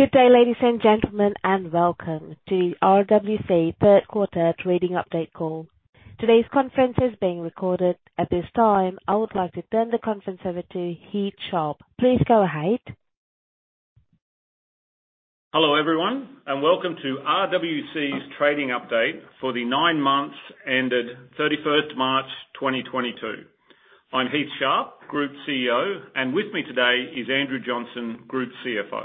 Good day, ladies and gentlemen, and welcome to RWC third quarter trading update call. Today's conference is being recorded. At this time, I would like to turn the conference over to Heath Sharp. Please go ahead. Hello, everyone, and welcome to RWC's trading update for the nine months ended March 31st, 2022. I'm Heath Sharp, Group CEO, and with me today is Andrew Johnson, Group CFO.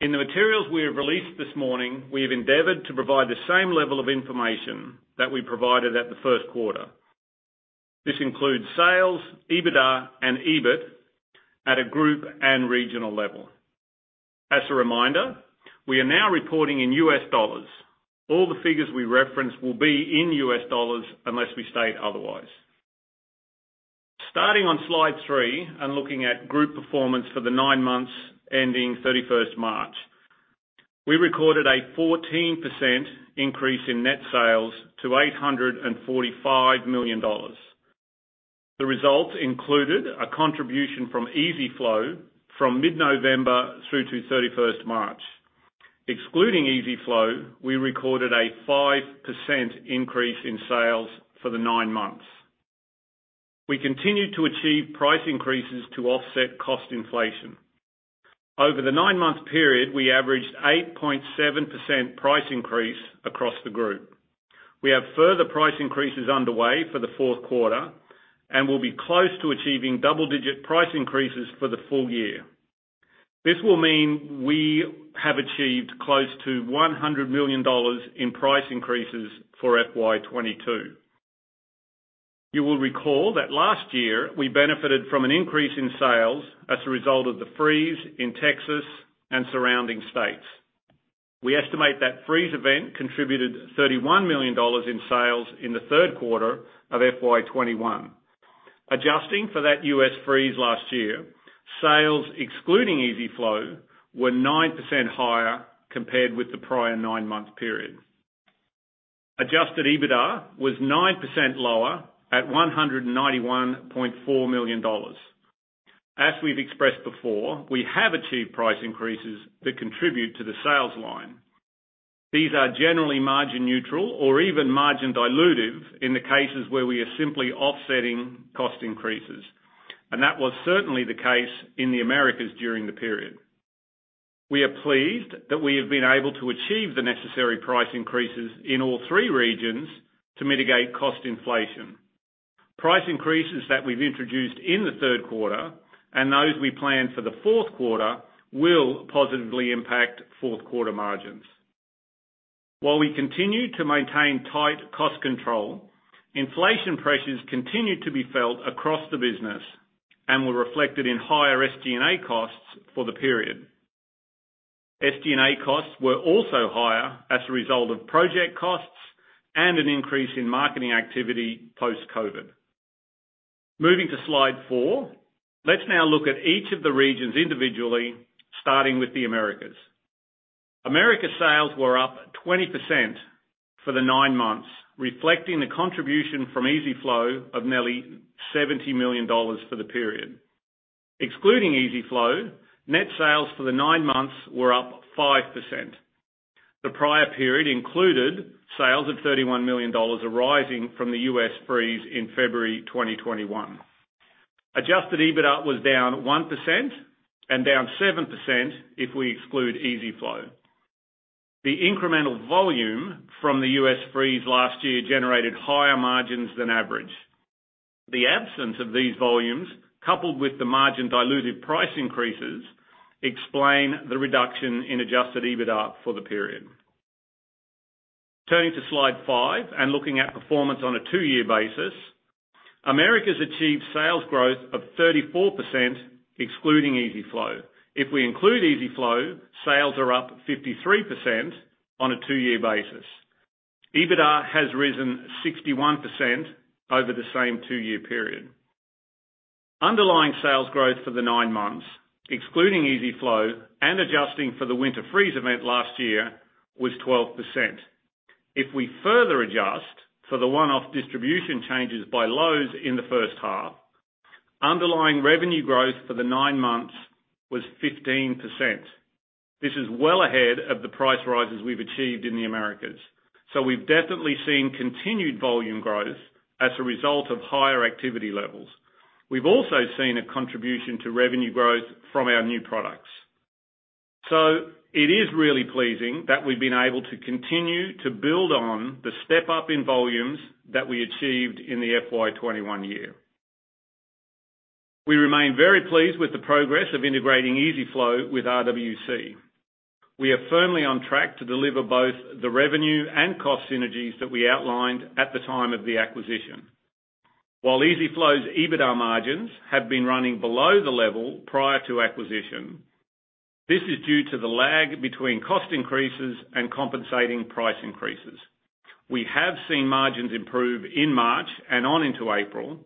In the materials we have released this morning, we have endeavored to provide the same level of information that we provided at the first quarter. This includes sales, EBITDA and EBIT at a group and regional level. As a reminder, we are now reporting in U.S. dollars. All the figures we reference will be in U.S. dollars unless we state otherwise. Starting on slide three and looking at group performance for the nine months ending March 31st, we recorded a 14% increase in net sales to $845 million. The results included a contribution from EZ-FLO from mid-November through to March 31st. Excluding EZ-FLO, we recorded a 5% increase in sales for the nine months. We continued to achieve price increases to offset cost inflation. Over the nine-month period, we averaged 8.7% price increase across the group. We have further price increases underway for the fourth quarter and will be close to achieving double-digit price increases for the full year. This will mean we have achieved close to $100 million in price increases for FY 2022. You will recall that last year we benefited from an increase in sales as a result of the freeze in Texas and surrounding states. We estimate that freeze event contributed $31 million in sales in the third quarter of FY 2021. Adjusting for that U.S. freeze last year, sales excluding EZ-FLO were 9% higher compared with the prior nine-month period. Adjusted EBITDA was 9% lower at $191.4 million. As we've expressed before, we have achieved price increases that contribute to the sales line. These are generally margin neutral or even margin dilutive in the cases where we are simply offsetting cost increases, and that was certainly the case in the Americas during the period. We are pleased that we have been able to achieve the necessary price increases in all three regions to mitigate cost inflation. Price increases that we've introduced in the third quarter and those we plan for the fourth quarter will positively impact fourth quarter margins. While we continue to maintain tight cost control, inflation pressures continued to be felt across the business and were reflected in higher SG&A costs for the period. SG&A costs were also higher as a result of project costs and an increase in marketing activity post-COVID. Moving to slide four, let's now look at each of the regions individually, starting with the Americas. Americas sales were up 20% for the nine months, reflecting the contribution from EZ-FLO of nearly $70 million for the period. Excluding EZ-FLO, net sales for the nine months were up 5%. The prior period included sales of $31 million arising from the U.S. freeze in February 2021. Adjusted EBITDA was down 1% and down 7% if we exclude EZ-FLO. The incremental volume from the U.S. freeze last year generated higher margins than average. The absence of these volumes, coupled with the margin-dilutive price increases, explain the reduction in adjusted EBITDA for the period. Turning to slide five and looking at performance on a two-year basis, Americas achieved sales growth of 34% excluding EZ-FLO. If we include EZ-FLO, sales are up 53% on a two-year basis. EBITDA has risen 61% over the same two-year period. Underlying sales growth for the nine months, excluding EZ-FLO and adjusting for the winter freeze event last year, was 12%. If we further adjust for the one-off distribution changes by Lowe's in the first half, underlying revenue growth for the nine months was 15%. This is well ahead of the price rises we've achieved in the Americas, so we've definitely seen continued volume growth as a result of higher activity levels. We've also seen a contribution to revenue growth from our new products. It is really pleasing that we've been able to continue to build on the step-up in volumes that we achieved in the FY 2021 year. We remain very pleased with the progress of integrating EZ-FLO with RWC. We are firmly on track to deliver both the revenue and cost synergies that we outlined at the time of the acquisition. While EZ-FLO's EBITDA margins have been running below the level prior to acquisition, this is due to the lag between cost increases and compensating price increases. We have seen margins improve in March and on into April.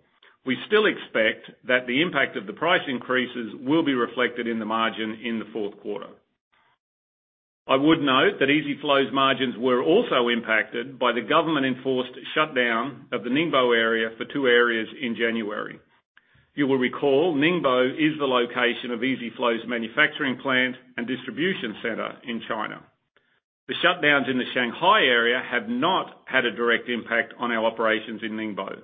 We still expect that the impact of the price increases will be reflected in the margin in the fourth quarter. I would note that EZ-FLO's margins were also impacted by the government-enforced shutdown of the Ningbo area for two weeks in January. You will recall Ningbo is the location of EZ-FLO's manufacturing plant and distribution center in China. The shutdowns in the Shanghai area have not had a direct impact on our operations in Ningbo.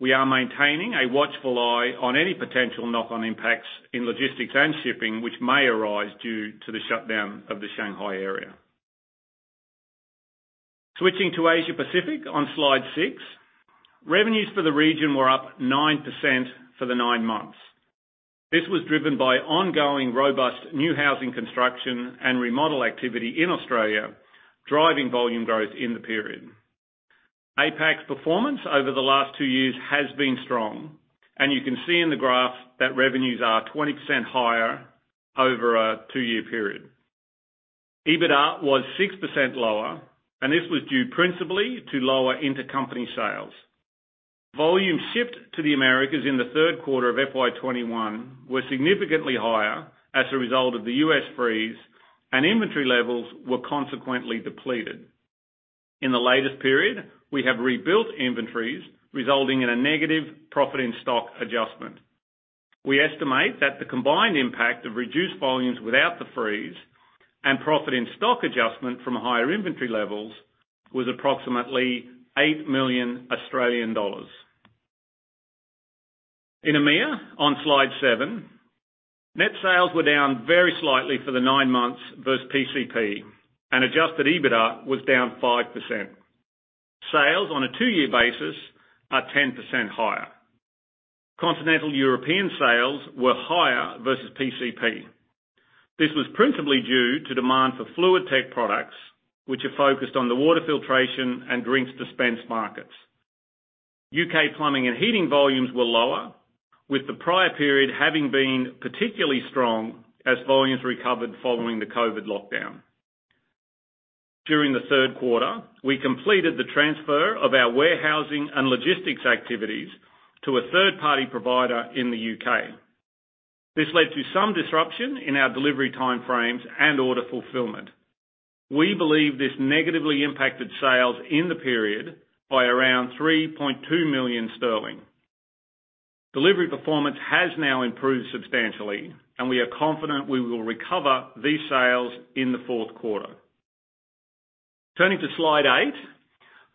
We are maintaining a watchful eye on any potential knock-on impacts in logistics and shipping, which may arise due to the shutdown of the Shanghai area. Switching to Asia Pacific on Slide six, revenues for the region were up 9% for the nine months. This was driven by ongoing robust new housing construction and remodel activity in Australia, driving volume growth in the period. APAC's performance over the last two years has been strong, and you can see in the graph that revenues are 20% higher over a two-year period. EBITDA was 6% lower, and this was due principally to lower intercompany sales. Volume shipped to the Americas in the third quarter of FY 2021 were significantly higher as a result of the U.S. freeze, and inventory levels were consequently depleted. In the latest period, we have rebuilt inventories, resulting in a negative profit and stock adjustment. We estimate that the combined impact of reduced volumes without the freeze and profit and stock adjustment from higher inventory levels was approximately AUD 8 million. In EMEA on Slide seven, net sales were down very slightly for the nine months versus PCP, and adjusted EBITDA was down 5%. Sales on a two-year basis are 10% higher. Continental European sales were higher versus PCP. This was principally due to demand for FluidTech products, which are focused on the water filtration and drinks dispense markets. U.K. plumbing and heating volumes were lower, with the prior period having been particularly strong as volumes recovered following the COVID lockdown. During the third quarter, we completed the transfer of our warehousing and logistics activities to a third-party provider in the U.K. This led to some disruption in our delivery time frames and order fulfillment. We believe this negatively impacted sales in the period by around 3.2 million sterling. Delivery performance has now improved substantially, and we are confident we will recover these sales in the fourth quarter. Turning to Slide eight.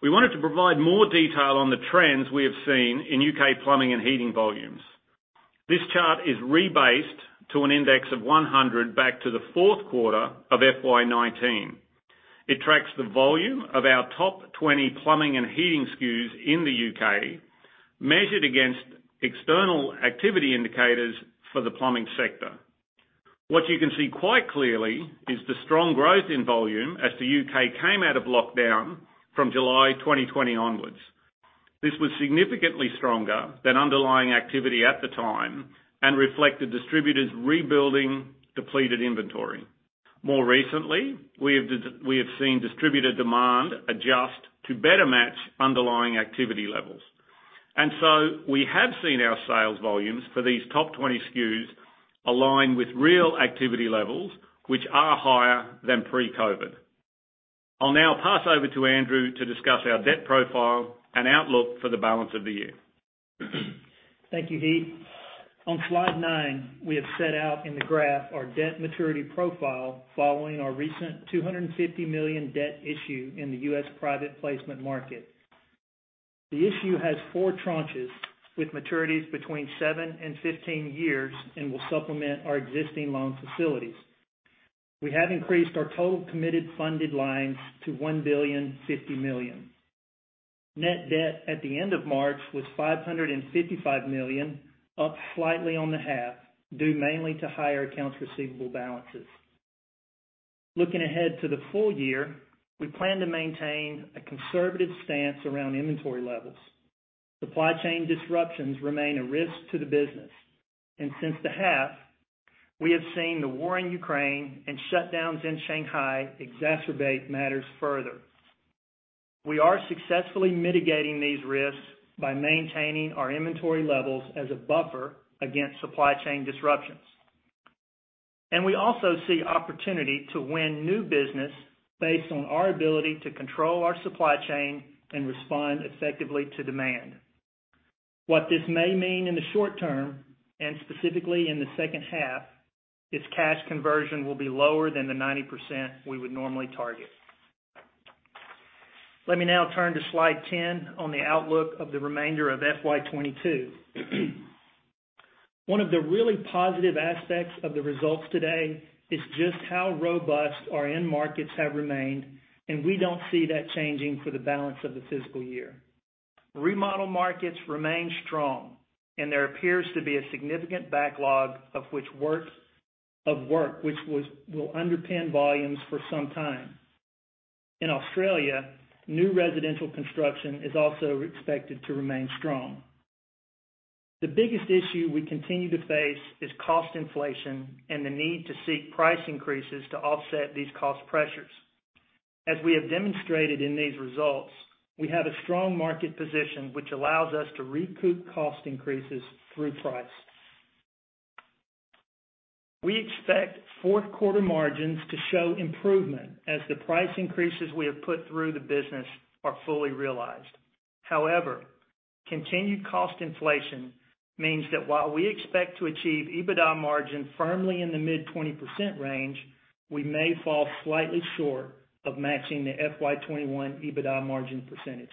We wanted to provide more detail on the trends we have seen in U.K. plumbing and heating volumes. This chart is rebased to an index of 100 back to the fourth quarter of FY 2019. It tracks the volume of our top 20 plumbing and heating SKUs in the U.K., measured against external activity indicators for the plumbing sector. What you can see quite clearly is the strong growth in volume as the U.K. came out of lockdown from July 2020 onwards. This was significantly stronger than underlying activity at the time and reflected distributors rebuilding depleted inventory. More recently, we have seen distributor demand adjust to better match underlying activity levels. We have seen our sales volumes for these top 20 SKUs align with real activity levels, which are higher than pre-COVID. I'll now pass over to Andrew to discuss our debt profile and outlook for the balance of the year. Thank you, Heath. On Slide nine, we have set out in the graph our debt maturity profile following our recent $250 million debt issue in the U.S. private placement market. The issue has four tranches with maturities between seven and 15 years and will supplement our existing loan facilities. We have increased our total committed funded lines to $1.05 billion. Net debt at the end of March was $555 million, up slightly on the half, due mainly to higher accounts receivable balances. Looking ahead to the full year, we plan to maintain a conservative stance around inventory levels. Supply chain disruptions remain a risk to the business, and since the half, we have seen the war in Ukraine and shutdowns in Shanghai exacerbate matters further. We are successfully mitigating these risks by maintaining our inventory levels as a buffer against supply chain disruptions. We also see opportunity to win new business based on our ability to control our supply chain and respond effectively to demand. What this may mean in the short term, and specifically in the second half, is cash conversion will be lower than the 90% we would normally target. Let me now turn to Slide 10 on the outlook of the remainder of FY 2022. One of the really positive aspects of the results today is just how robust our end markets have remained, and we don't see that changing for the balance of the fiscal year. Remodel markets remain strong, and there appears to be a significant backlog of work, which will underpin volumes for some time. In Australia, new residential construction is also expected to remain strong. The biggest issue we continue to face is cost inflation and the need to seek price increases to offset these cost pressures. As we have demonstrated in these results, we have a strong market position, which allows us to recoup cost increases through price. We expect fourth quarter margins to show improvement as the price increases we have put through the business are fully realized. However, continued cost inflation means that while we expect to achieve EBITDA margin firmly in the mid-20% range, we may fall slightly short of matching the FY 2021 EBITDA margin percentage.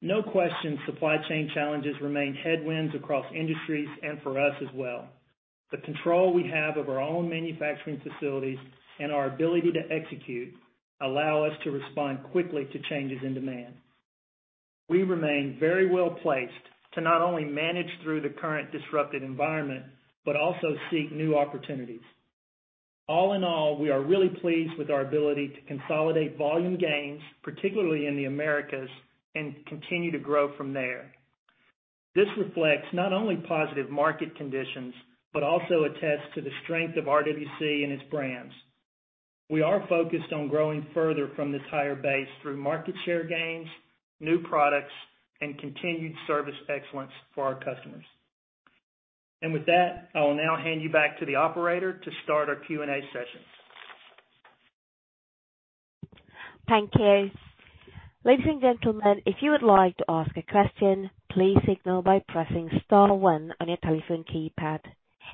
No question, supply chain challenges remain headwinds across industries and for us as well. The control we have of our own manufacturing facilities and our ability to execute allow us to respond quickly to changes in demand. We remain very well-placed to not only manage through the current disrupted environment, but also seek new opportunities. All in all, we are really pleased with our ability to consolidate volume gains, particularly in the Americas, and continue to grow from there. This reflects not only positive market conditions, but also attests to the strength of RWC and its brands. We are focused on growing further from this higher base through market share gains, new products, and continued service excellence for our customers. With that, I will now hand you back to the operator to start our Q&A session. Thank you. Ladies and gentlemen, if you would like to ask a question, please signal by pressing star one on your telephone keypad.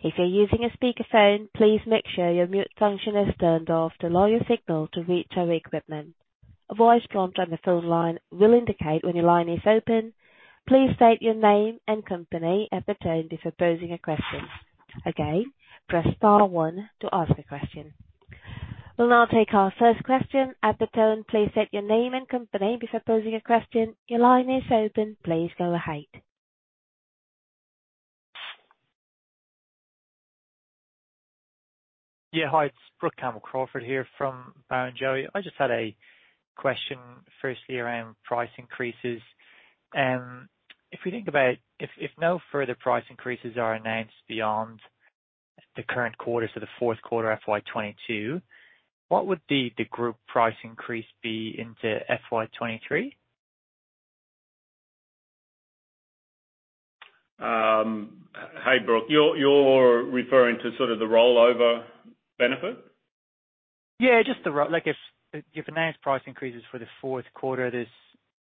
If you're using a speakerphone, please make sure your mute function is turned off to allow your signal to reach our equipment. A voice prompt on the phone line will indicate when your line is open. Please state your name and company at the tone before posing a question. Again, press star one to ask a question. We'll now take our first question. At the tone, please state your name and company before posing a question. Your line is open. Please go ahead. Yeah. Hi, it's Brook Campbell-Crawford here from Barrenjoey. I just had a question, firstly, around price increases. If you think about if no further price increases are announced beyond the current quarter, so the fourth quarter FY 2022, what would the group price increase be into FY 2023? Hi, Brooke. You're referring to sort of the rollover benefit? Yeah, like if announced price increases for the fourth quarter, this financial year,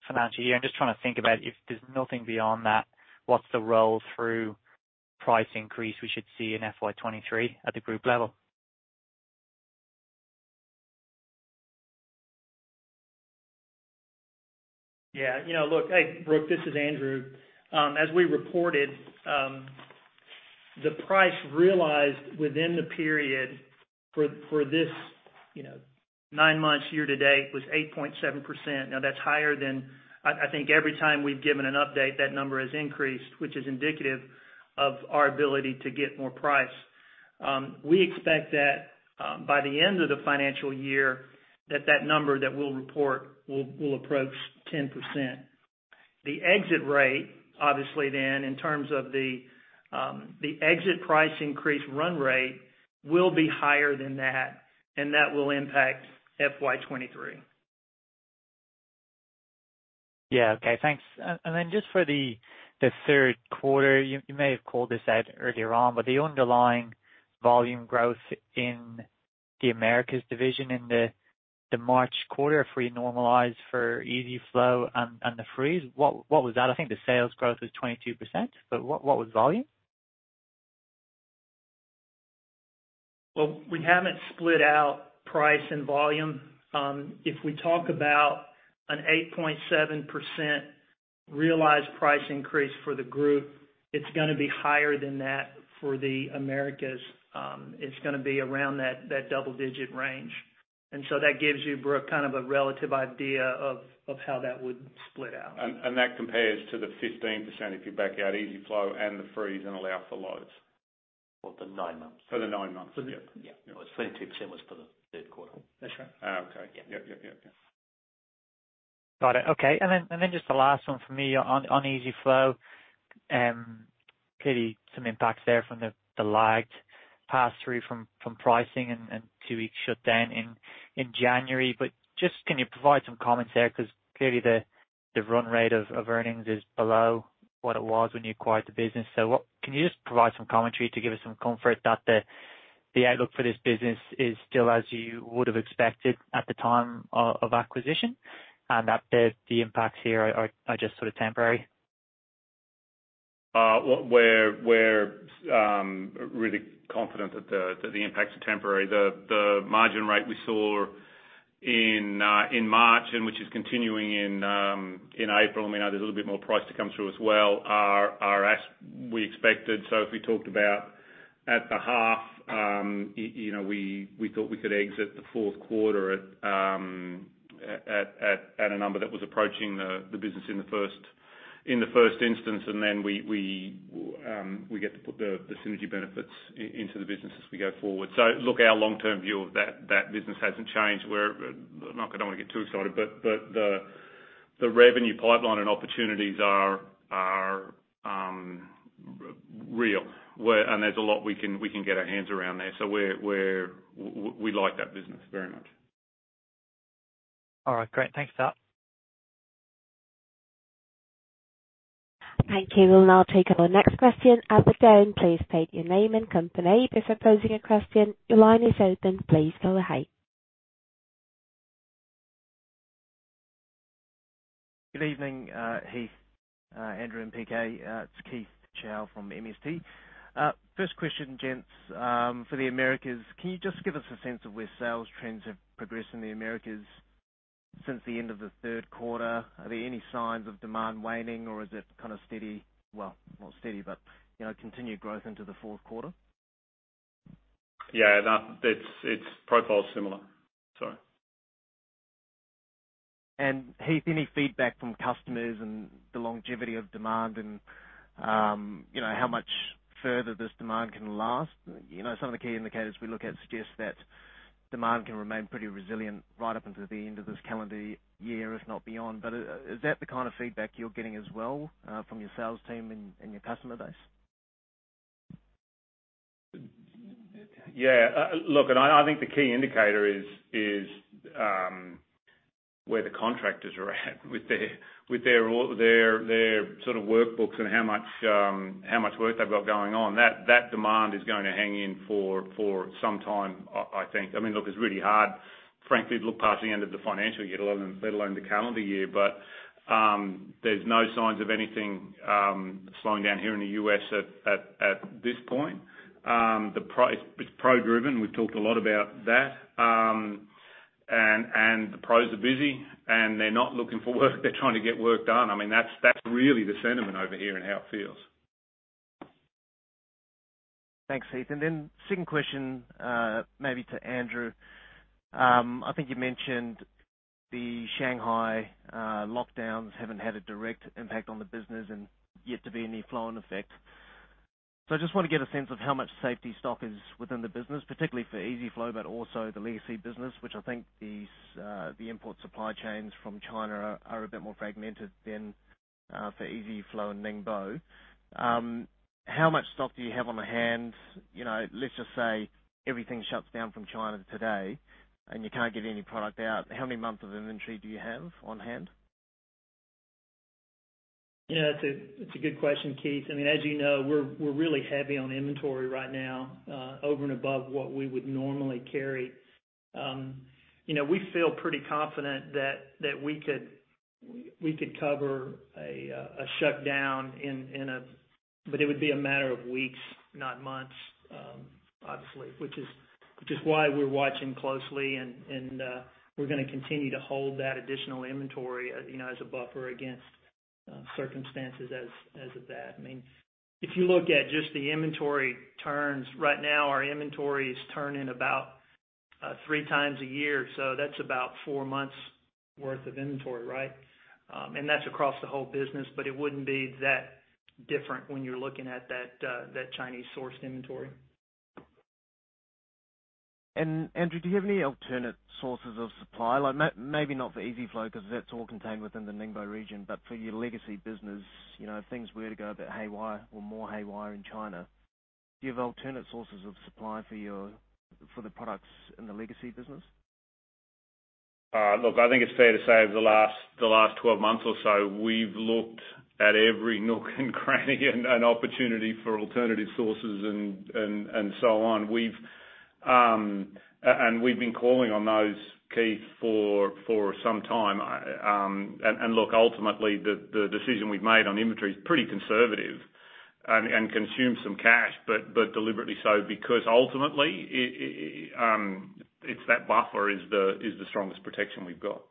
I'm just trying to think about if there's nothing beyond that, what's the roll-through price increase we should see in FY 2023 at the group level? Yeah. You know, look. Hey, Brooke, this is Andrew. As we reported, the price realized within the period for this, you know, nine months year to date was 8.7%. Now, that's higher than I think every time we've given an update, that number has increased, which is indicative of our ability to get more price. We expect that, by the end of the financial year that number that we'll report will approach 10%. The exit rate, obviously then in terms of the exit price increase run rate will be higher than that, and that will impact FY 2023. Yeah. Okay. Thanks. Then just for the third quarter, you may have called this out earlier on, but the underlying volume growth in the Americas division in the March quarter if we normalize for EZ-FLO and the freeze, what was that? I think the sales growth was 22%, but what was volume? Well, we haven't split out price and volume. If we talk about an 8.7% realized price increase for the group, it's gonna be higher than that for the Americas. It's gonna be around that double digit range. That gives you, Brooke, kind of a relative idea of how that would split out. That compares to the 15% if you back out EZ-FLO and the freeze and allow for Lowe's. For the nine months. For the nine months. Yep. Yeah. You know, it's 22% was for the third quarter. That's right. Okay. Yeah. Yep. Got it. Okay. Just the last one for me on EZ-FLO. Clearly some impacts there from the lagged pass-through from pricing and two-week shutdown in January. Just can you provide some comments there? 'Cause clearly the run rate of earnings is below what it was when you acquired the business. Can you just provide some commentary to give us some comfort that the outlook for this business is still as you would have expected at the time of acquisition, and that the impacts here are just sort of temporary? Well, we're really confident that the impacts are temporary. The margin rate we saw in March and which is continuing in April, I mean, there's a little bit more price to come through as well are as we expected. If we talked about at the half, you know, we thought we could exit the fourth quarter at a number that was approaching the business in the first instance. Then we get to put the synergy benefits into the business as we go forward. Look, our long-term view of that business hasn't changed. We're not gonna wanna get too excited, but the revenue pipeline and opportunities are real. There's a lot we can get our hands around there. We like that business very much. All right, great. Thanks for that. Thank you. We'll now take our next question. As with done, please state your name and company before posing a question. Your line is open. Please go ahead. Good evening, Heath, Andrew, and PK. It's Keith Chau from MST. First question, gents, for the Americas. Can you just give us a sense of where sales trends have progressed in the Americas since the end of the third quarter? Are there any signs of demand waning, or is it kind of steady? Well, not steady, but, you know, continued growth into the fourth quarter? Yeah. It's profile is similar. Sorry. Heath, any feedback from customers and the longevity of demand and, you know, how much further this demand can last? You know, some of the key indicators we look at suggest that demand can remain pretty resilient right up until the end of this calendar year, if not beyond. Is that the kind of feedback you're getting as well, from your sales team and your customer base? Yeah. Look, I think the key indicator is where the contractors are at with their sort of workbooks and how much work they've got going on. That demand is gonna hang in for some time, I think. I mean, look, it's really hard, frankly, to look past the end of the financial year, let alone the calendar year. There's no signs of anything slowing down here in the U.S. at this point. It's pro-driven. We've talked a lot about that. The pros are busy, and they're not looking for work. They're trying to get work done. I mean, that's really the sentiment over here and how it feels. Thanks, Heath. Second question, maybe to Andrew. I think you mentioned the Shanghai lockdowns haven't had a direct impact on the business and yet to be any flow-on effect. I just wanna get a sense of how much safety stock is within the business, particularly for EZ-FLO, but also the legacy business, which I think these, the import supply chains from China are a bit more fragmented than for EZ-FLO and Ningbo. How much stock do you have on hand? You know, let's just say everything shuts down from China today, and you can't get any product out. How many months of inventory do you have on hand? Yeah, it's a good question, Keith. I mean, as you know, we're really heavy on inventory right now, over and above what we would normally carry. You know, we feel pretty confident that we could cover a shutdown. But it would be a matter of weeks, not months, obviously, which is why we're watching closely and we're gonna continue to hold that additional inventory, you know, as a buffer against circumstances as of that. I mean, if you look at just the inventory turns, right now our inventories turn in about three times a year. So that's about four months worth of inventory, right? That's across the whole business, but it wouldn't be that different when you're looking at that Chinese sourced inventory. Andrew, do you have any alternate sources of supply? Like maybe not for EZ-FLO 'cause that's all contained within the Ningbo region. But for your legacy business, you know, if things were to go a bit haywire or more haywire in China, do you have alternate sources of supply for the products in the legacy business? Look, I think it's fair to say over the last 12 months or so, we've looked at every nook and cranny and opportunity for alternative sources and so on. We've been calling on those, Keith, for some time. Look, ultimately, the decision we've made on inventory is pretty conservative and consumes some cash, but deliberately so because ultimately, it's that buffer is the strongest protection we've got.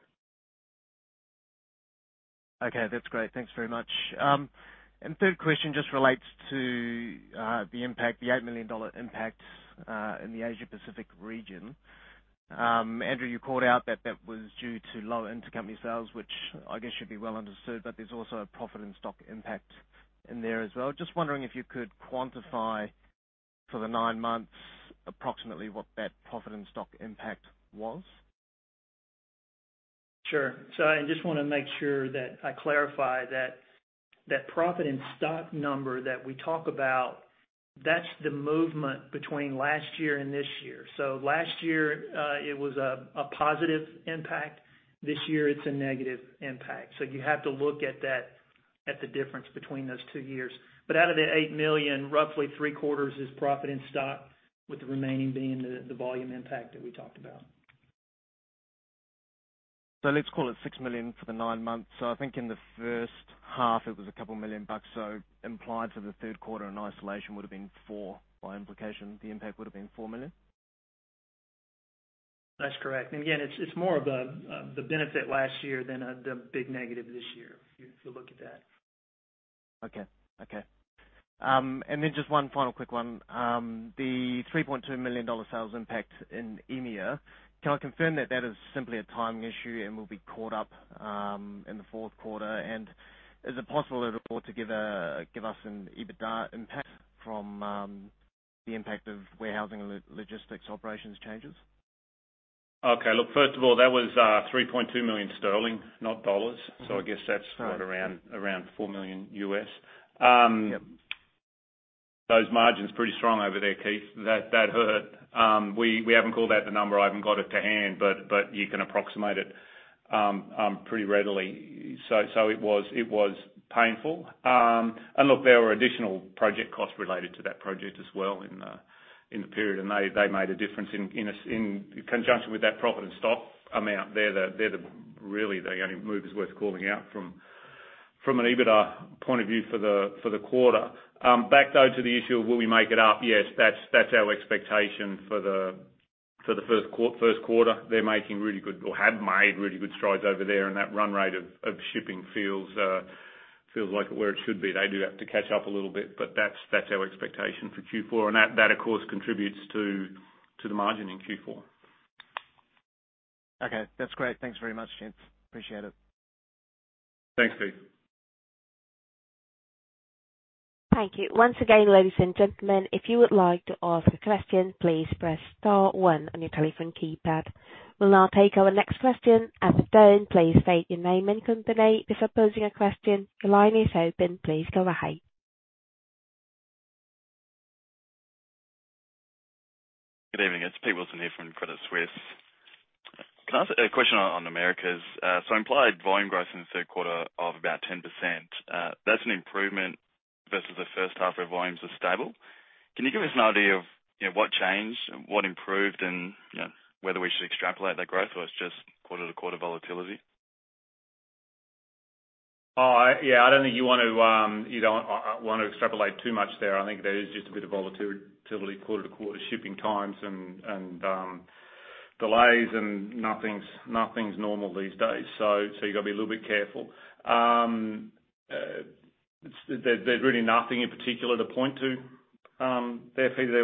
Okay. That's great. Thanks very much. Third question just relates to the impact, the $8 million impact, in the Asia Pacific region. Andrew, you called out that that was due to low intercompany sales, which I guess should be well understood, but there's also a profit and stock impact in there as well. Just wondering if you could quantify for the nine months approximately what that profit and stock impact was. Sure. I just wanna make sure that I clarify that that profit and stock number that we talk about, that's the movement between last year and this year. Last year, it was a positive impact. This year, it's a negative impact. You have to look at that, at the difference between those two years. Out of the $8 million, roughly three quarters is profit and stock, with the remaining being the volume impact that we talked about. Let's call it $6 million for the nine months. I think in the first half, it was a couple million bucks. Implied for the third quarter in isolation would have been $4 million. By implication, the impact would have been $4 million? That's correct. It's more of the benefit last year than the big negative this year if you look at that. Just one final quick one. The $3.2 million sales impact in EMEA, can I confirm that that is simply a timing issue and will be caught up in the fourth quarter? Is it possible at all to give us an EBITDA impact from the impact of warehousing and logistics operations changes? Okay. Look, first of all, that was 3.2 million sterling, not dollars. Mm-hmm. I guess that's. Right right around $4 million. Yep Those margins pretty strong over there, Keith. That hurt. We haven't called out the number. I haven't got it to hand, but you can approximate it pretty readily. It was painful. Look, there were additional project costs related to that project as well in the period. They made a difference in conjunction with that profit and stock amount. They're really the only movers worth calling out from an EBITDA point of view for the quarter. Back though to the issue of will we make it up? Yes, that's our expectation for the first quarter. They're making really good or have made really good strides over there, and that run rate of shipping feels like where it should be. They do have to catch up a little bit, but that's our expectation for Q4. That of course contributes to the margin in Q4. Okay. That's great. Thanks very much, gents. Appreciate it. Thanks, Keith. Thank you. Once again, ladies and gentlemen, if you would like to ask a question, please press star one on your telephone keypad. We'll now take our next question. As done, please state your name and company before posing a question. The line is open. Please go ahead. Good evening. It's Peter Wilson here from Credit Suisse. Can I ask a question on Americas? So implied volume growth in the third quarter of about 10%, that's an improvement versus the first half where volumes were stable. Can you give us an idea of, you know, what changed and what improved and, you know, whether we should extrapolate that growth, or it's just quarter-to-quarter volatility? Oh, yeah. I don't think you want to extrapolate too much there. I think there is just a bit of volatility quarter to quarter shipping times and delays and nothing's normal these days. So you've got to be a little bit careful. There's really nothing in particular to point to, Peter.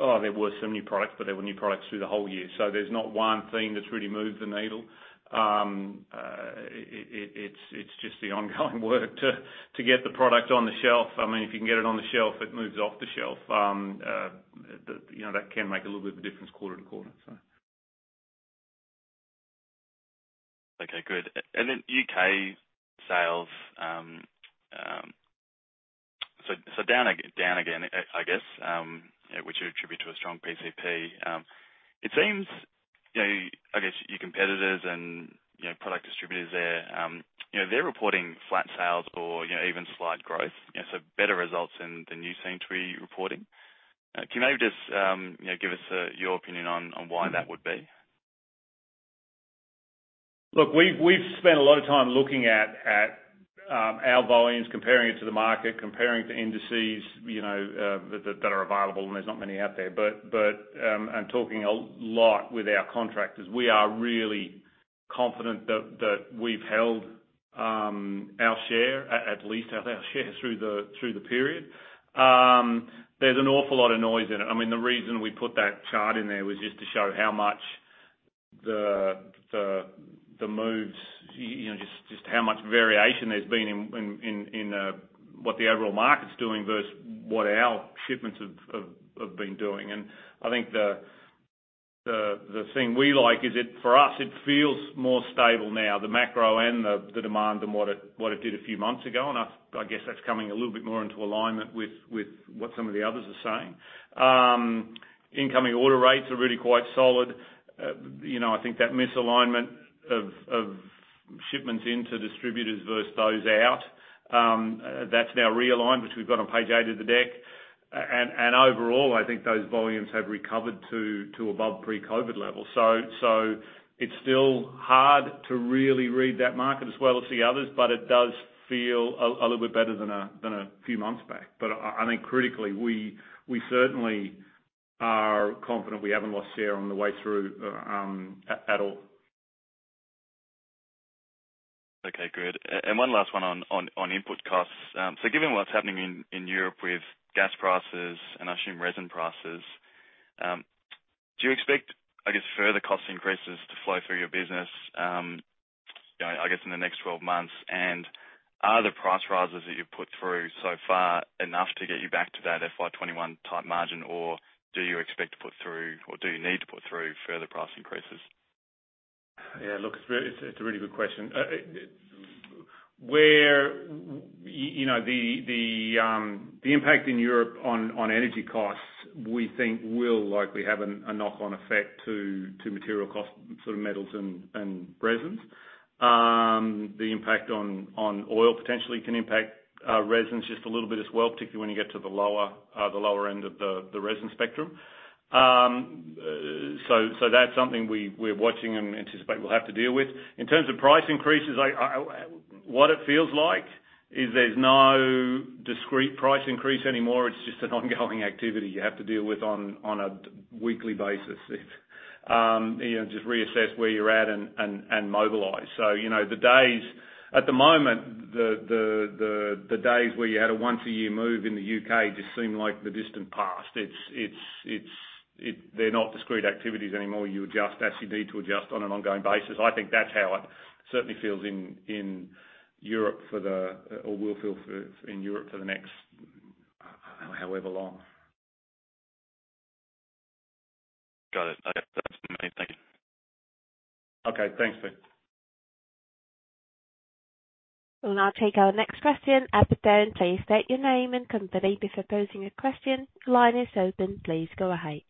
Oh, there were some new products, but there were new products through the whole year, so there's not one theme that's really moved the needle. It's just the ongoing work to get the product on the shelf. I mean, if you can get it on the shelf, it moves off the shelf. You know, that can make a little bit of a difference quarter to quarter, so. Okay, good. U.K. sales down again, I guess. You know, which you attribute to a strong PCP. It seems, you know, I guess your competitors and, you know, product distributors there, you know, they're reporting flat sales or, you know, even slight growth. You know, better results than you seem to be reporting. Can you maybe just, you know, give us your opinion on why that would be? Look, we've spent a lot of time looking at our volumes, comparing it to the market, comparing to indices, you know, that are available, and there's not many out there. Talking a lot with our contractors. We are really confident that we've held our share, at least our share through the period. There's an awful lot of noise in it. I mean, the reason we put that chart in there was just to show how much the moves, you know, just how much variation there's been in what the overall market's doing versus what our shipments have been doing. I think the thing we like is it, for us, it feels more stable now, the macro and the demand than what it did a few months ago. I guess that's coming a little bit more into alignment with what some of the others are saying. Incoming order rates are really quite solid. You know, I think that misalignment of shipments into distributors versus those out, that's now realigned, which we've got on page eight of the deck. Overall, I think those volumes have recovered to above pre-COVID levels. It's still hard to really read that market as well as the others, but it does feel a little bit better than a few months back. I think critically, we certainly are confident we haven't lost share on the way through, at all. Okay, good. One last one on input costs. Given what's happening in Europe with gas prices and I assume resin prices, do you expect, I guess, further cost increases to flow through your business, you know, I guess in the next 12 months? Are the price rises that you've put through so far enough to get you back to that FY 2021 type margin, or do you need to put through further price increases? Yeah, look, it's a really good question. You know, the impact in Europe on energy costs, we think will likely have a knock-on effect to material costs, sort of metals and resins. The impact on oil potentially can impact resins just a little bit as well, particularly when you get to the lower end of the resin spectrum. So, that's something we're watching and anticipate we'll have to deal with. In terms of price increases, what it feels like is there's no discrete price increase anymore. It's just an ongoing activity you have to deal with on a weekly basis. You know, just reassess where you're at and mobilize. You know, the days at the moment where you had a once a year move in the U.K. just seem like the distant past. They're not discrete activities anymore. You adjust as you need to adjust on an ongoing basis. I think that's how it certainly feels in Europe, or will feel in Europe for the next however long. Got it. Okay. Thank you. Okay, thanks, Peter. We'll now take our next question. At the tone, please state your name and company before posing your question. Line is open. Please go ahead.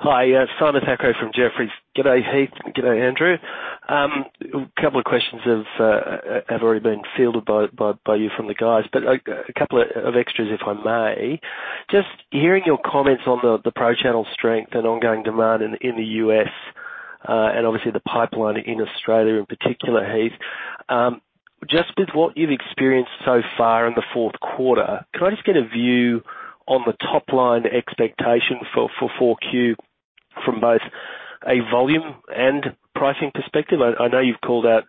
Hi, Simon Thackray from Jefferies. Good day, Heath. Good day, Andrew. A couple of questions have already been fielded by you from the guys, but, like, a couple of extras, if I may. Just hearing your comments on the pro channel strength and ongoing demand in the U.S., and obviously the pipeline in Australia in particular, Heath. Just with what you've experienced so far in the fourth quarter, could I just get a view on the top line expectation for Q4 from both a volume and pricing perspective? I know you've called out,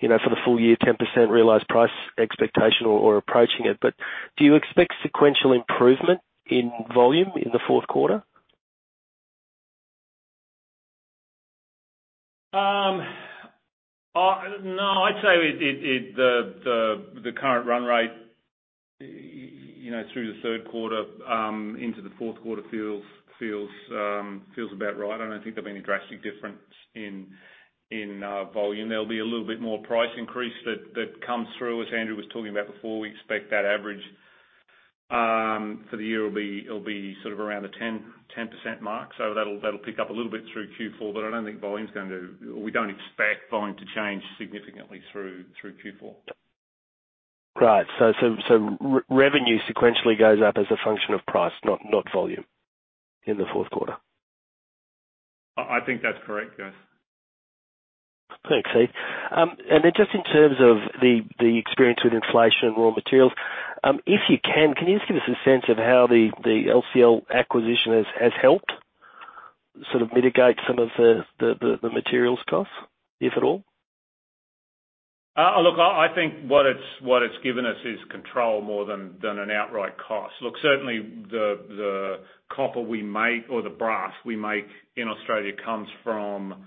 you know, for the full year, 10% realized price expectation or approaching it, but do you expect sequential improvement in volume in the fourth quarter? No, I'd say it. The current run rate, you know, through the third quarter into the fourth quarter feels about right. I don't think there'll be any drastic difference in volume. There'll be a little bit more price increase that comes through, as Andrew was talking about before. We expect that average for the year will be, it'll be sort of around the 10% mark. That'll pick up a little bit through Q4, but I don't think volume's going to. We don't expect volume to change significantly through Q4. Right. Revenue sequentially goes up as a function of price, not volume in the fourth quarter? I think that's correct, yes. Thanks, Heath. Just in terms of the experience with inflation and raw materials, if you can just give us a sense of how the LCL acquisition has helped sort of mitigate some of the materials cost, if at all? Look, I think what it's given us is control more than an outright cost. Look, certainly the copper we make or the brass we make in Australia comes from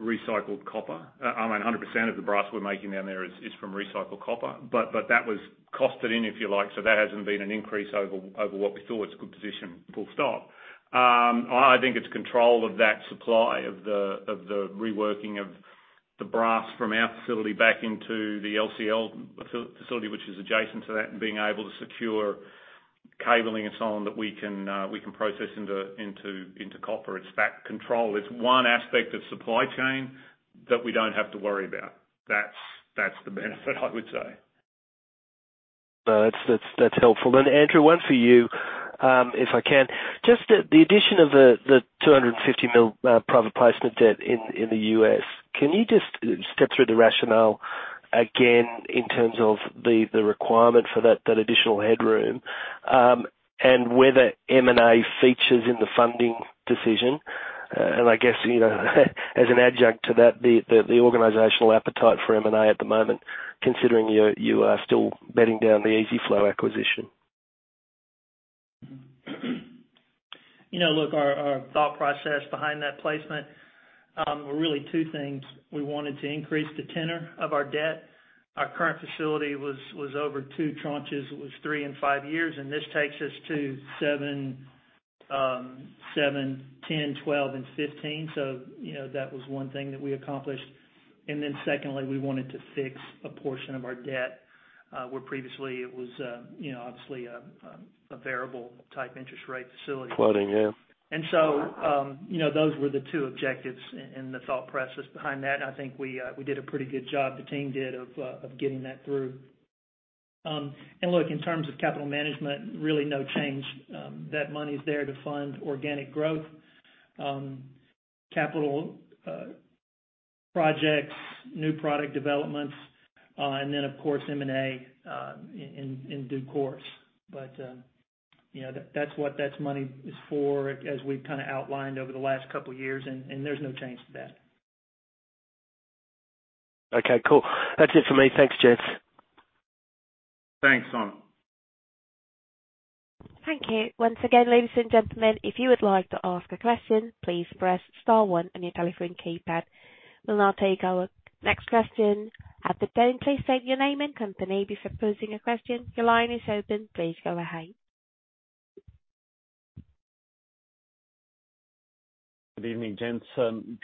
recycled copper. I mean, 100% of the brass we're making down there is from recycled copper. But that was costed in, if you like, so that hasn't been an increase over what we thought. It's a good position, full stop. I think it's control of that supply of the reworking of the brass from our facility back into the LCL facility, which is adjacent to that, and being able to secure cabling and so on that we can process into copper. It's that control. It's one aspect of supply chain that we don't have to worry about. That's the benefit I would say. No, that's helpful. Andrew, one for you, if I can. Just the addition of the $250 million private placement debt in the U.S.. Can you just step through the rationale again in terms of the requirement for that additional headroom, and whether M&A features in the funding decision? I guess, you know, as an adjunct to that, the organizational appetite for M&A at the moment, considering you are still bedding down the EZ-FLO acquisition. You know, look, our thought process behind that placement were really two things. We wanted to increase the tenor of our debt. Our current facility was over two tranches. It was three and five years, and this takes us to seven, 10, 12, and 15. You know, that was one thing that we accomplished. Secondly, we wanted to fix a portion of our debt, where previously it was, you know, obviously, a variable type interest rate facility. Floating, yeah. Those were the two objectives and the thought process behind that. I think we did a pretty good job, the team did, of getting that through. Look, in terms of capital management, really no change. That money's there to fund organic growth, capital projects, new product developments, and then of course, M&A, in due course. You know, that's what that money is for, as we've kinda outlined over the last couple of years, and there's no change to that. Okay, cool. That's it for me. Thanks, gents. Thanks, Simon. Thank you. Once again, ladies and gentlemen, if you would like to ask a question, please press star one on your telephone keypad. We'll now take our next question. At the tone, please state your name and company. Before posing your question, your line is open. Please go ahead. Good evening, gents.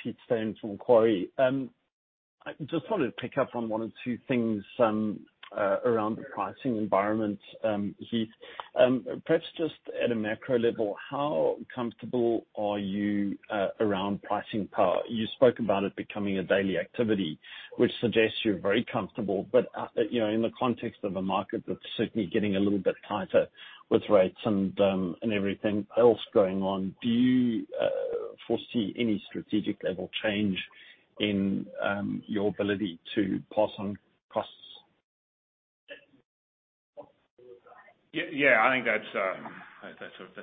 Peter Steyn from Macquarie. I just wanted to pick up on one or two things around the pricing environment, Heath. Perhaps just at a macro level, how comfortable are you around pricing power? You spoke about it becoming a daily activity, which suggests you're very comfortable. You know, in the context of a market that's certainly getting a little bit tighter with rates and everything else going on, do you foresee any strategic level change in your ability to pass on costs? Yeah, I think that's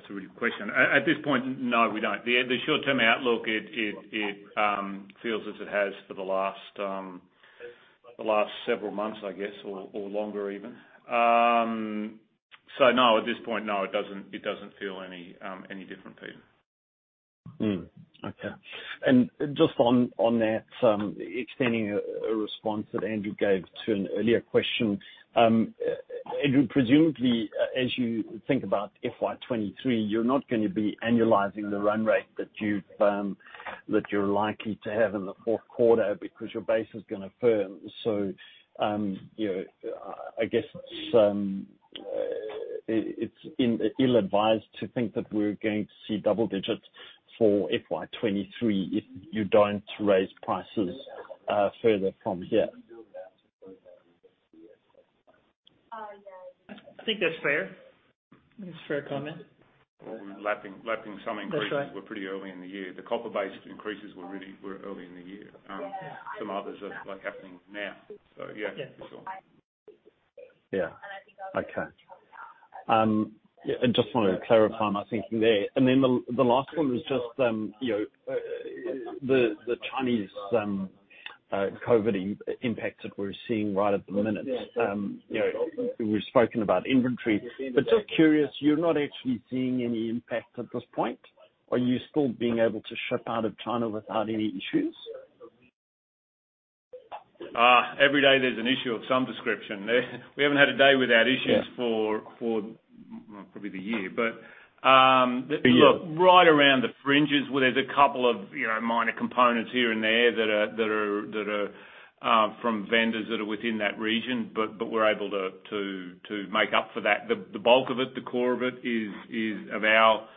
a really good question. At this point, no, we don't. The short-term outlook, it feels as it has for the last several months, I guess, or longer even. No, at this point, it doesn't feel any different, Peter. Okay. Just on that, extending a response that Andrew gave to an earlier question, Andrew, presumably, as you think about FY 2023, you're not gonna be annualizing the run rate that you're likely to have in the fourth quarter because your base is gonna firm. You know, I guess it's ill-advised to think that we're going to see double digits for FY 2023 if you don't raise prices further from here. I think that's fair. I think it's a fair comment. Well, we're lapping some increases. That's right. We were pretty early in the year. The copper-based increases were really early in the year. Some others are, like, happening now. Yeah, for sure. Yeah. Okay. I just want to clarify my thinking there. The last one was just, you know, the Chinese COVID impact that we're seeing right at the minute. You know, we've spoken about inventory. Just curious, you're not actually seeing any impact at this point? Are you still being able to ship out of China without any issues? Every day there's an issue of some description. We haven't had a day without issues. Yeah for probably the year. The year Look, right around the fringes where there's a couple of, you know, minor components here and there that are from vendors that are within that region, but we're able to make up for that. The bulk of it, the core of it is of our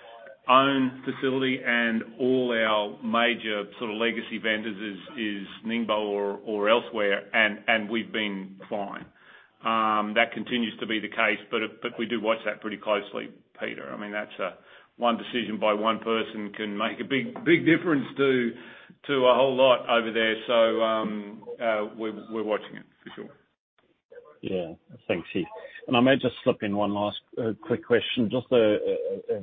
own facility and all our major sort of legacy vendors is Ningbo or elsewhere, and we've been fine. That continues to be the case, but we do watch that pretty closely, Peter. I mean, that's one decision by one person can make a big difference to a whole lot over there. So, we're watching it for sure. Yeah. Thanks, Heath. I may just slip in one last quick question. Just a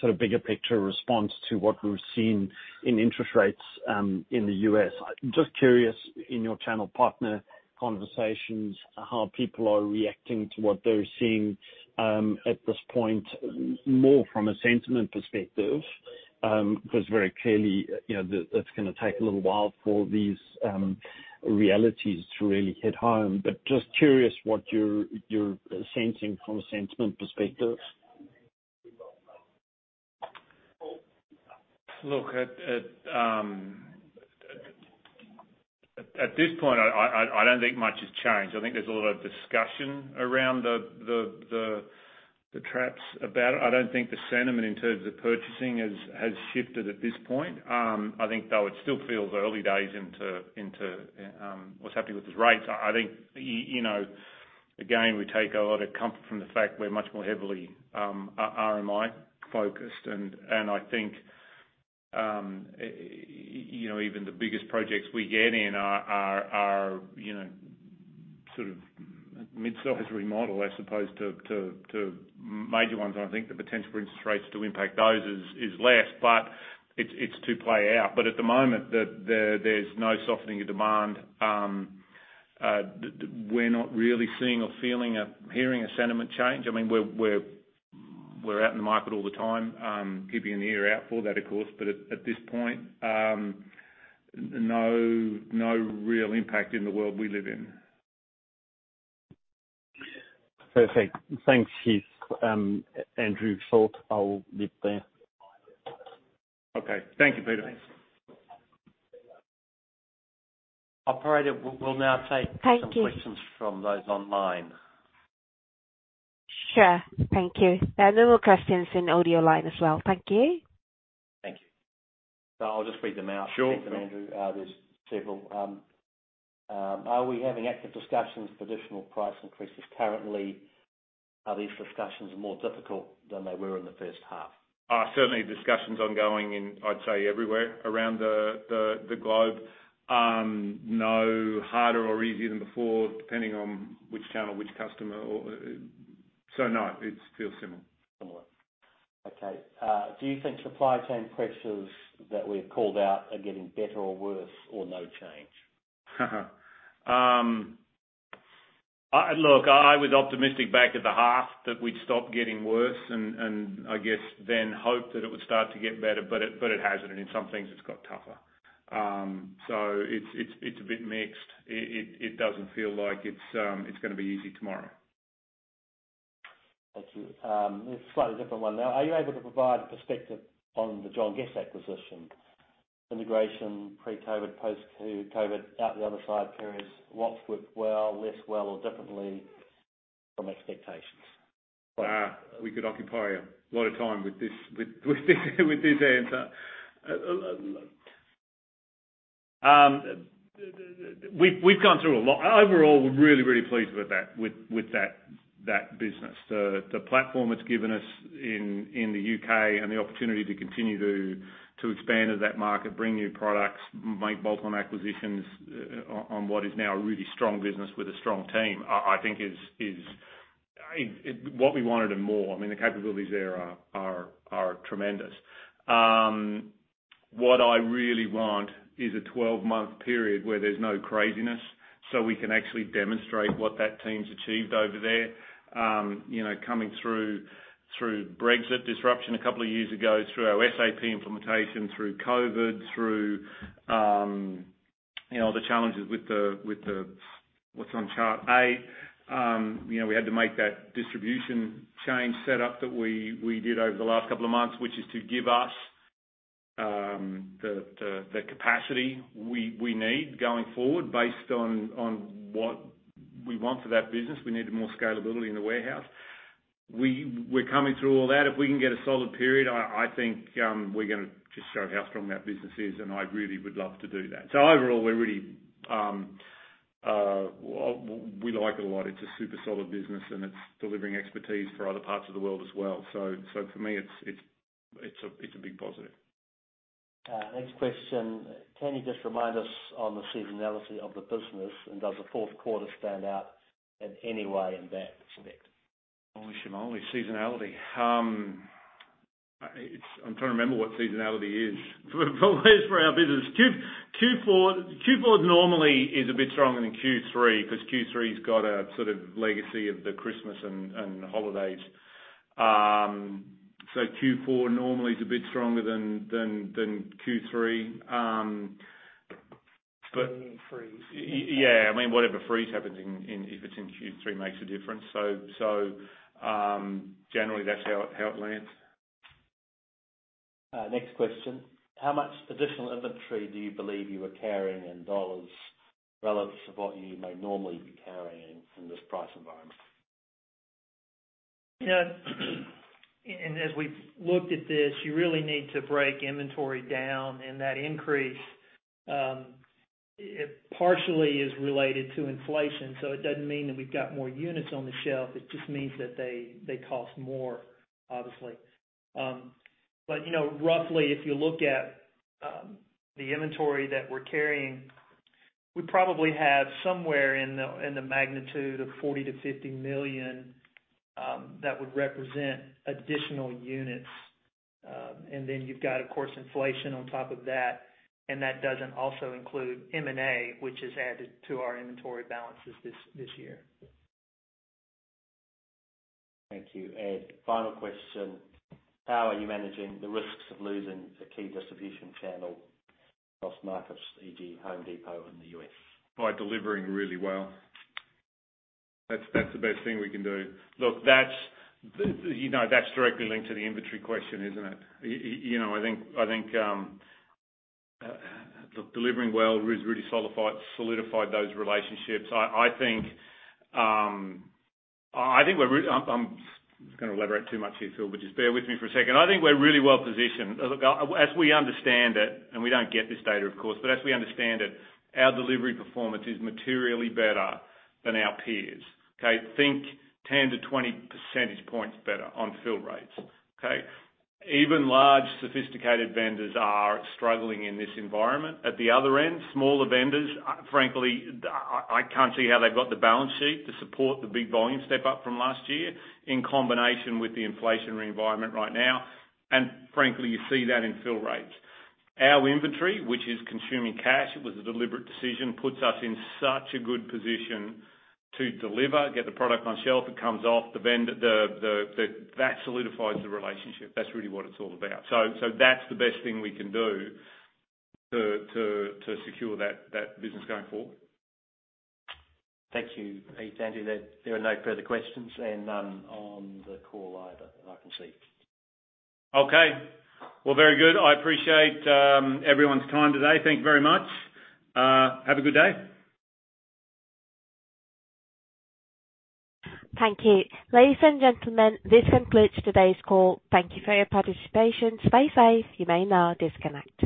sort of bigger picture response to what we're seeing in interest rates, in the U.S. Just curious, in your channel partner conversations, how people are reacting to what they're seeing, at this point, more from a sentiment perspective, 'cause very clearly, you know, that's gonna take a little while for these realities to really hit home. Just curious what you're sensing from a sentiment perspective. Look, at this point, I don't think much has changed. I think there's a lot of discussion around the taps about it. I don't think the sentiment in terms of purchasing has shifted at this point. I think though it still feels early days into what's happening with these rates. I think, you know, again, we take a lot of comfort from the fact we're much more heavily RMI-focused. I think, you know, even the biggest projects we get in are, you know, sort of mid-size remodel, as opposed to major ones. I think the potential for interest rates to impact those is less, but it's to play out. At the moment, there's no softening of demand. We're not really seeing or feeling or hearing a sentiment change. I mean, we're out in the market all the time, keeping an ear out for that, of course. At this point, no real impact in the world we live in. Perfect. Thanks, Heath. Andrew Scott, I'll leave there. Okay. Thank you, Peter. Thanks. Operator, we'll now take. Thank you. Some questions from those online. Sure. Thank you. There are no more questions in audio line as well. Thank you. Thank you. I'll just read them out. Sure. Thanks, Andrew. There's several. Are we having active discussions for additional price increases currently? Are these discussions more difficult than they were in the first half? Certainly discussions ongoing in, I'd say, everywhere around the globe. No harder or easier than before, depending on which channel, which customer. No, it feels similar. Similar. Okay. Do you think supply chain pressures that we've called out are getting better or worse or no change? Look, I was optimistic back at the half that we'd stop getting worse and I guess then hoped that it would start to get better, but it hasn't. In some things, it's got tougher. It's a bit mixed. It doesn't feel like it's gonna be easy tomorrow. Thank you. A slightly different one now. Are you able to provide perspective on the John Guest acquisition integration pre-COVID, post-COVID, out the other side periods? What's worked well, less well or differently from expectations? We could occupy a lot of time with this answer. We've gone through a lot. Overall, we're really pleased with that business. The platform it's given us in the U.K. and the opportunity to continue to expand in that market, bring new products, make bolt-on acquisitions on what is now a really strong business with a strong team, I think it is what we wanted and more. I mean, the capabilities there are tremendous. What I really want is a 12-month period where there's no craziness, so we can actually demonstrate what that team's achieved over there. You know, coming through Brexit disruption a couple of years ago, through our SAP implementation, through COVID, through the challenges with what's on chart A. You know, we had to make that distribution change set up that we did over the last couple of months, which is to give us the capacity we need going forward based on what we want for that business. We needed more scalability in the warehouse. We're coming through all that. If we can get a solid period, I think we're gonna just show how strong that business is, and I really would love to do that. Overall, we're really we like it a lot. It's a super solid business, and it's delivering expertise for other parts of the world as well. For me, it's a big positive. Next question. Can you just remind us on the seasonality of the business, and does the fourth quarter stand out in any way in that respect? Holy schmoly, seasonality. I'm trying to remember what seasonality is for our business. Q4 normally is a bit stronger than Q3, 'cause Q3's got a sort of legacy of the Christmas and holidays. Q4 normally is a bit stronger than Q3, but- You mean freeze. Yeah. I mean, whatever freeze happens in, if it's in Q3 makes a difference. Generally, that's how it lands. Next question. How much additional inventory do you believe you were carrying in dollars relative to what you may normally be carrying in this price environment? You know, as we've looked at this, you really need to break inventory down and that increase, it partially is related to inflation, so it doesn't mean that we've got more units on the shelf. It just means that they cost more, obviously. You know, roughly, if you look at the inventory that we're carrying, we probably have somewhere in the magnitude of $40 million-$50 million that would represent additional units. Then you've got, of course, inflation on top of that, and that doesn't also include M&A, which is added to our inventory balances this year. Thank you. Final question, how are you managing the risks of losing the key distribution channel across markets, for e.g. Home Depot in the U.S.? By delivering really well. That's the best thing we can do. Look, you know, that's directly linked to the inventory question, isn't it? I think delivering well has really solidified those relationships. I think we're really... I'm just gonna elaborate too much here, Phil, but just bear with me for a second. I think we're really well-positioned. Look, as we understand it, and we don't get this data, of course, but as we understand it, our delivery performance is materially better than our peers. Okay? Think 10-20 percentage points better on fill rates. Okay? Even large sophisticated vendors are struggling in this environment. At the other end, smaller vendors, frankly, I can't see how they've got the balance sheet to support the big volume step up from last year in combination with the inflationary environment right now. Frankly, you see that in fill rates. Our inventory, which is consuming cash, it was a deliberate decision, puts us in such a good position to deliver, get the product on shelf. It comes off. That solidifies the relationship. That's really what it's all about. That's the best thing we can do to secure that business going forward. Thank you, Heath, Andrew. There are no further questions and on the call either, that I can see. Okay. Well, very good. I appreciate everyone's time today. Thank you very much. Have a good day. Thank you. Ladies and gentlemen, this concludes today's call. Thank you for your participation. Stay safe. You may now disconnect.